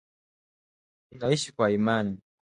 Tunaishi kwa Imani.